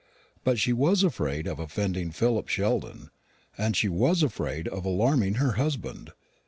But she was afraid of offending Philip Sheldon; and she was afraid of alarming her husband.